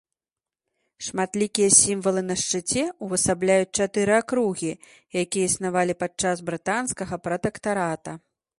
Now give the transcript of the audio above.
Шматлікія сімвалы на шчыце ўвасабляюць чатыры акругі, якія існавалі падчас брытанскага пратэктарата.